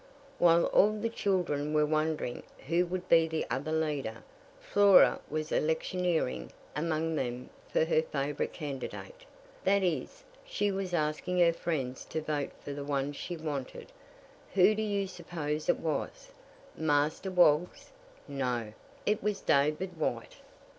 While all the children were wondering who would be the other leader, Flora was electioneering among them for her favorite candidate; that is, she was asking her friends to vote for the one she wanted. Who do you suppose it was? Master Woggs? No. It was David White.